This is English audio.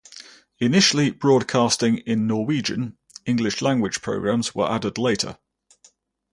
Initially broadcasting in Norwegian, English-language programs were added later.